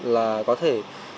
là có thể